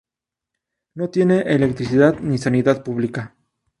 No tiene electricidad ni sanidad pública.